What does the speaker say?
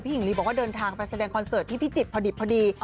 หญิงลีบอกว่าเดินทางไปแสดงคอนเสิร์ตที่พิจิตรพอดิบพอดี